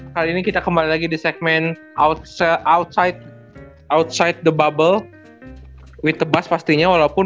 kali ini kita kembali lagi di segmen outside the bubble with the bus pastinya walaupun